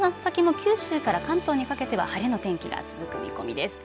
まず夕方この先も九州から関東にかけては晴れの天気が続く見込みです。